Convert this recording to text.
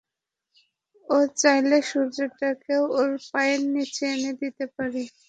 ও চাইলে সূর্যটাকেও ওর পায়ের নিচে এনে দিতে পারি!